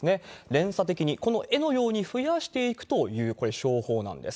連鎖的に、この絵のように増やしていくという商法なんです。